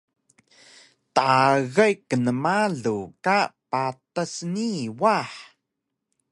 tagay knmalu ka patas nii wah!